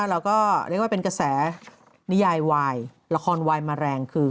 เราก็เรียกว่าเป็นกระแสนิยายวายละครวายมาแรงคือ